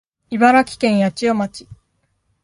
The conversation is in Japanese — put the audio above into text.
茨城県八千代町